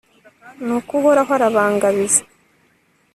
nuko uhoraho arabangabiza